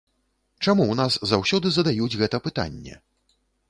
Чаму ў нас заўсёды задаюць гэта пытанне?